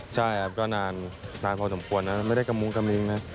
ใช่ครับก็นานพอสมควรนะไม่ได้กระมุ้งกระมิ้งนะ